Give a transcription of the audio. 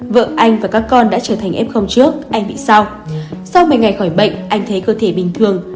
vợ anh và các con đã trở thành f trước anh bị sao sau một mươi ngày khỏi bệnh anh thấy cơ thể bình thường